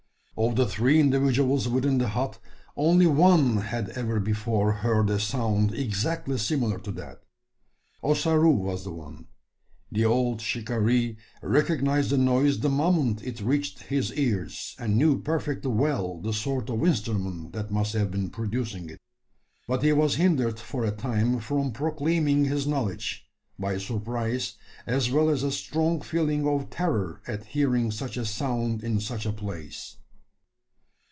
Of the three individuals within the hut, only one had ever before heard a sound exactly similar to that. Ossaroo was the one. The old shikaree recognised the noise the moment it reached his ears, and knew perfectly well the sort of instrument that must have been producing it; but he was hindered for a time from proclaiming his knowledge, by surprise, as well as a strong feeling of terror at hearing such a sound in such a place.